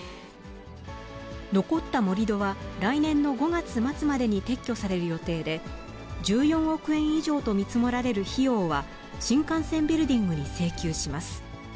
のこった盛り土は来年の５月末までに撤去される予定で、１４億円以上と見積もられる費用は、新幹線ビルディングに請求します。